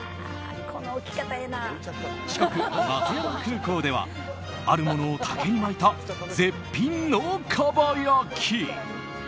四国、松山空港ではあるものを竹に巻いた絶品のかば焼き。